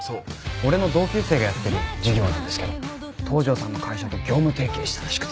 俺の同級生がやってる事業なんですけど東城さんの会社と業務提携したらしくて。